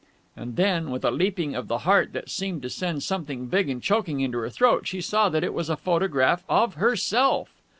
And then, with a leaping of the heart that seemed to send something big and choking into her throat, she saw that it was a photograph of herself.